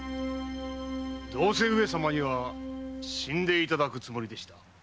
どうせ上様には死んでいただくつもりでした。